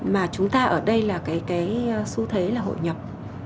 mà chúng ta ở đây là cái xu thế là hội nhập